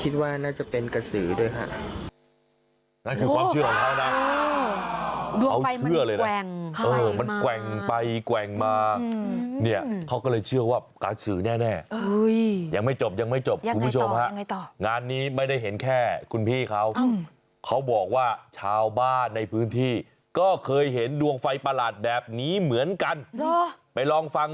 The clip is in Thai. ดวงไฟคือจะแปลกมากจะแกว่งแล้วก็มีการเขยิบตลอดเวลานะฮะ